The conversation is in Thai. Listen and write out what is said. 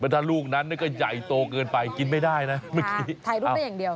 ถ้าลูกนั้นก็ใหญ่โตเกินไปกินไม่ได้นะเมื่อกี้ถ่ายรูปได้อย่างเดียว